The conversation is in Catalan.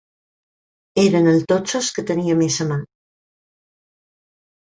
Eren els totxos que tenia més a mà.